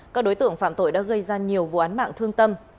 các đối tượng phạm tội đã gây ra nhiều vụ án mạng thương tâm